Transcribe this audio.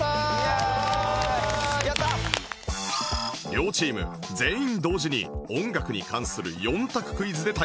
両チーム全員同時に音楽に関する４択クイズで対戦